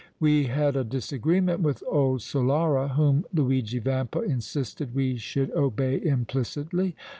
"We had a disagreement with old Solara, whom Luigi Vampa insisted we should obey implicitly.